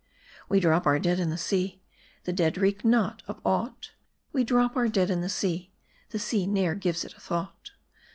We drop our dead in the sea, The dead reck not of aught ; We drop our dead in the sea, The sea ne'er gives it a thought.